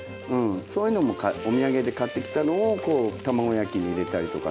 そういうのもお土産で買ってきたのを卵焼きに入れたりとかしてましたね。